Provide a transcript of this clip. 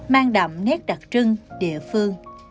mang đậm nét đặc trưng địa phương